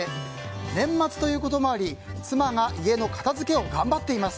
年末ということもあり妻が家の片付けを頑張っています。